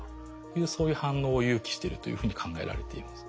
そういう反応を誘起してるというふうに考えられています。